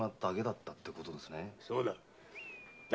そうだ。